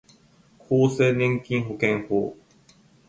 厚生年金保険法